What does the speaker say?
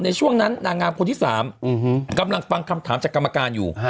ในช่วงนั้นนางงามคนที่๓กำลังฟังคำถามจากกรรมการอยู่